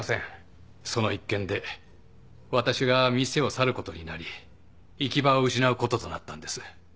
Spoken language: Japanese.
その一件で私が店を去ることになり行き場を失うこととなったんです。